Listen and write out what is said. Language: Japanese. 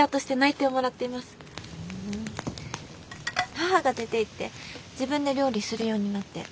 母が出ていって自分で料理するようになって。